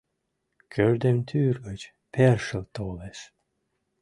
Кӧрдемтӱр гыч першыл толеш.